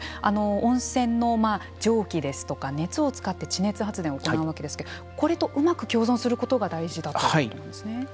温泉の蒸気ですとか熱を使って地熱発電を行うわけですがこれとうまく共存することが大事だということなんですね。